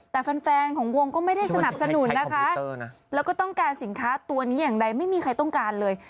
แต่แฟนของวงก็ไม่ได้สนับสนุนนะคะแล้วก็ต้องการสินค้าตัวนี้อย่างใดไม่มีใครต้องการเลย